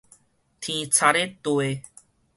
天差咧地